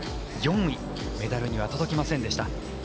４位でメダルには届きませんでした。